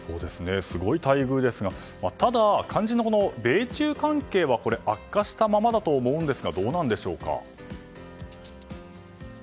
すごい待遇ですがただ、肝心な米中関係は悪化したままだと思うんですがどうなんでしょうか。